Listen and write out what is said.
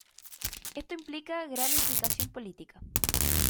Esto implica gran implicación política.